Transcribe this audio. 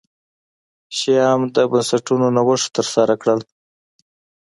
شیام د بنسټونو نوښت ترسره کړل.